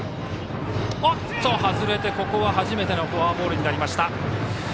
ここは初めてのフォアボールになりました。